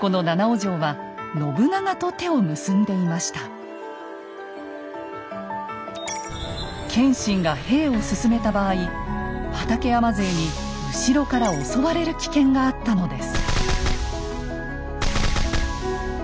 実は当時この謙信が兵を進めた場合畠山勢に後ろから襲われる危険があったのです。